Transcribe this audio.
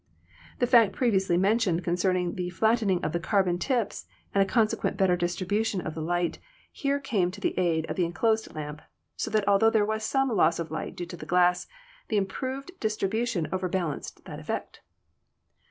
The fact previously mentioned concerning the flattening of the carbon tips and a con sequent better distribution of the light here came to the aid of the enclosed lamp, so that altho there was some loss of light due to the glass, the improved distribution overbalanced that effect.